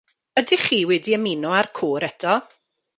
Ydych chi wedi ymuno â'r côr eto.